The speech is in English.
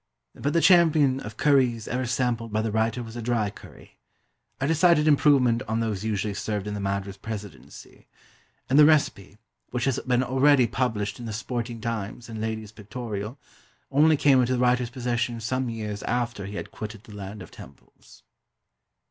But the champion of curries ever sampled by the writer was a dry curry a decided improvement on those usually served in the Madras Presidency and the recipe (which has been already published in the Sporting Times and Lady's Pictorial), only came into the writer's possession some years after he had quitted the land of temples.